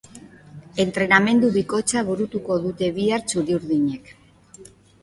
Entrenamendu bikoitza burutuko dute bihar txuri-urdinek.